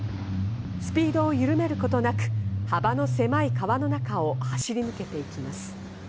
スピードを緩めることなく、幅の狭い川の中を走り抜けていきます。